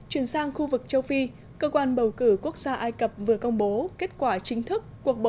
chuyển sang khu vực châu phi cơ quan bầu cử quốc gia ai cập vừa công bố kết quả chính thức cuộc bầu